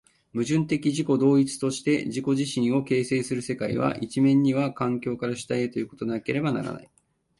矛盾的自己同一として自己自身を形成する世界は、一面には環境から主体へということでなければならない。